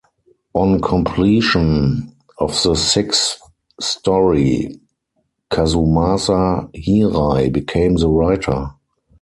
On completion of the sixth story, Kazumasa Hirai became the writer.